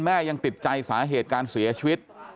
ยังติดใจสาเหตุการเสียชีวิต